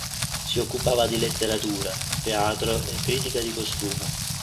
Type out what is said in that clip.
Si occupava di letteratura, teatro e critica di costume.